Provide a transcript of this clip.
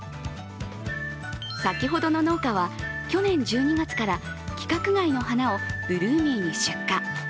先ほどの農家は去年１２月から規格外の花をブルーミーに出荷。